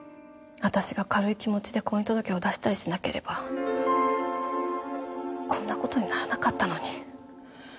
私が軽い気持ちで婚姻届を出したりしなければこんな事にならなかったのに。